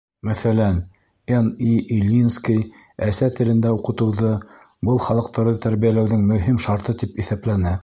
Мәҫәлән, Н.И.Ильинский әсә телендә уҡытыуҙы был халыҡтарҙы тәрбиәләүҙең мөһим шарты тип иҫәпләне.